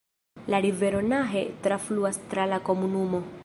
La rivero Nahe trafluas tra la komunumo.